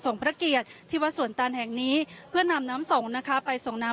ส่งประเกียจที่วัดสุนตันแห่งนี้เพื่อนำน้ำน้ำส่งนะคะ